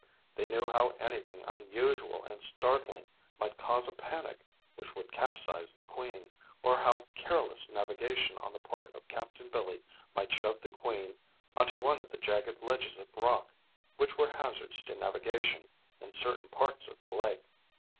They knew how anything unusual and startling might cause a panic which would capsize the Queen or how careless navigation on the part of Captain Billy might shove the Queen onto one of the jagged ledges of rock which were hazards to navigation in certain parts of the lake.